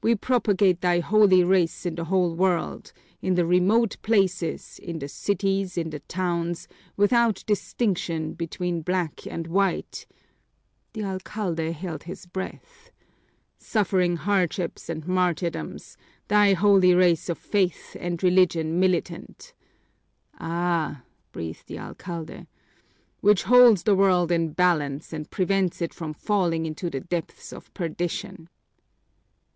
We propagate thy holy race in the whole world, in the remote places, in the cities, in the towns, without distinction between black and white" (the alcalde held his breath), "suffering hardships and martyrdoms, thy holy race of faith and religion militant" ("Ah!" breathed the alcalde) "which holds the world in balance and prevents it from falling into the depths of perdition."